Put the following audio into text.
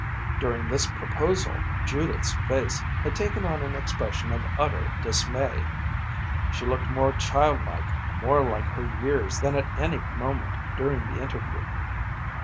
During this proposal Judith's face had taken on an expression of utter dismay. She looked more childlike, more like her years than at any moment during the interview.